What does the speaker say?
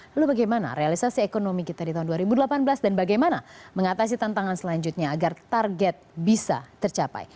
lalu bagaimana realisasi ekonomi kita di tahun dua ribu delapan belas dan bagaimana mengatasi tantangan selanjutnya agar target bisa tercapai